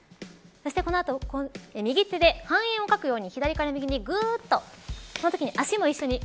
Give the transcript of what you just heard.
この後、右手で半円を描くように左から右にぐっと。